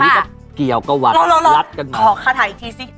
นี้ก็เกี่ยวกับวัคลัดกัน